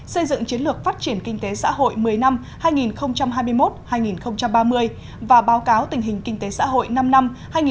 xây dựng chiến lược phát triển kinh tế xã hội một mươi năm hai nghìn hai mươi một hai nghìn ba mươi và báo cáo tình hình kinh tế xã hội năm năm hai nghìn một mươi một hai nghìn ba mươi